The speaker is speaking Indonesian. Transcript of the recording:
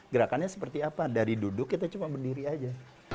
gerakannya seperti apa dari duduk kita cuma berdiri aja